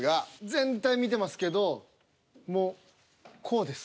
全体見てますけどもうこうです。